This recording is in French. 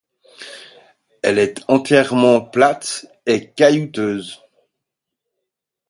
Elle est entièrement plate et caillouteuse.